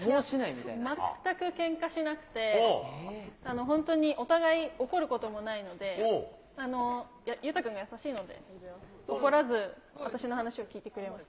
全くけんかしなくて、本当にお互い怒ることもないので、勇大君優しいので、全然、怒らず、私の話を聞いてくれます。